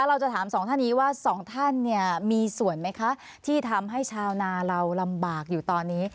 เราจะถามสองท่านนี้ว่าสองท่านเนี่ยมีส่วนไหมคะที่ทำให้ชาวนาเราลำบากอยู่ตอนนี้